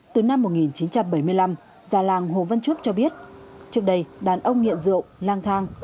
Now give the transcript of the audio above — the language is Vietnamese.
từ năm một nghìn chín trăm bảy mươi năm già làng hồ văn chuốc cho biết trước đây đàn ông nghiện rượu lang thang